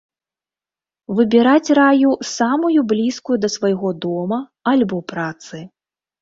Выбіраць раю самую блізкую да свайго дома альбо працы.